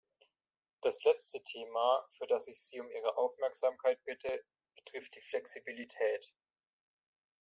Das letzte Thema, für das ich Sie um Ihre Aufmerksamkeit bitte, betrifft die Flexibilität.